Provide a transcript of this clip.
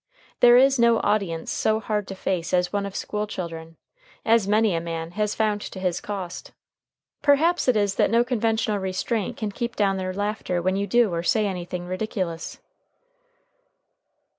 There is no audience so hard to face as one of school children, as many a man has found to his cost. Perhaps it is that no conventional restraint can keep down their laughter when you do or say anything ridiculous.